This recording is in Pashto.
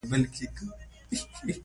نوم د شي نیمه برخه بیانوي.